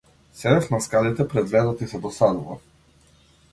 Седев на скалите пред влезот и се досадував.